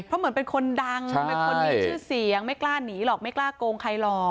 เพราะเหมือนเป็นคนดังเป็นคนมีชื่อเสียงไม่กล้าหนีหรอกไม่กล้าโกงใครหรอก